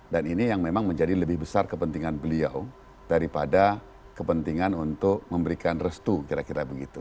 dan ini yang memang menjadi lebih besar kepentingan beliau daripada kepentingan untuk memberikan restu kira kira begitu